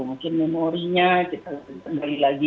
makin memorinya kita kembali lagi